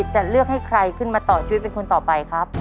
จะเลือกให้ใครขึ้นมาต่อชีวิตเป็นคนต่อไปครับ